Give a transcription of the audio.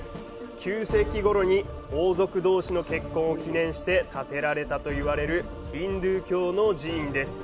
９世紀ごろに王族どうしの結婚を記念して建てられたといわれるヒンドゥー教の寺院です。